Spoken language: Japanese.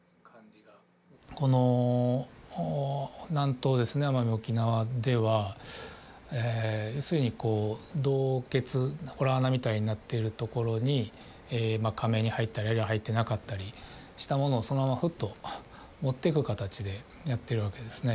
この南島ですね奄美・沖縄では要するに洞穴洞穴みたいになっているところにかめに入ったりあるいは入ってなかったりしたものをそのままふっと持ってく形でやってるわけですね